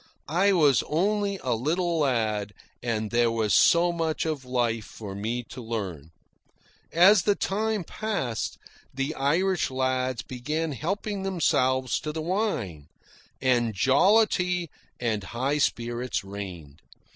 I was only a little lad, and there was so much of life for me to learn. As the time passed, the Irish lads began helping themselves to the wine, and jollity and high spirits reigned.